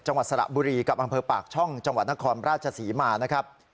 สระบุรีกับอำเภอปากช่องจังหวัดนครราชศรีมานะครับ